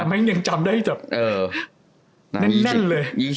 แม่งยังจำได้แบบแน่นเลย